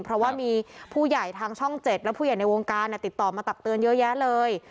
เพราะว่ามีผู้ใหญ่ทางช่อง๗และผู้ใหญ่ในวงการติดต่อมาตักเตือนเยอะแยะเลย